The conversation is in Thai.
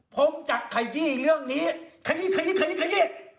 ผมจะขยี้เรื่องนี้ขยี้ขยีขยีขยี้